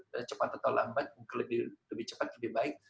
lebih cepat atau lambat mungkin lebih cepat lebih baik